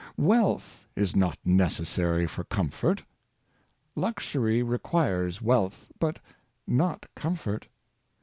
Wealth is not necessary for comfort. Luxury re quires wealth, but not comfort.